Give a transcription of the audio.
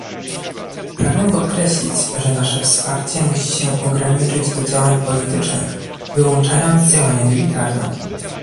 Pragnę podkreślić, że nasze wsparcie musi się ograniczyć do działań politycznych, wyłączając działania militarne